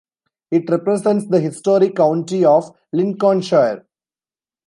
It represents the historic county of Lincolnshire.